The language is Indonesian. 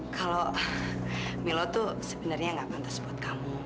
kalau milo tuh sebenarnya gak pantas buat kamu